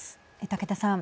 竹田さん。